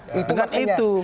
nah itu maknanya